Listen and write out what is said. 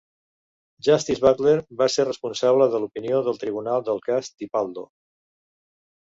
Justice Butler va ser responsable de l'opinió del tribunal al cas "Tipaldo".